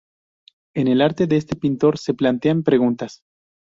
En el arte de este pintor se plantean preguntas.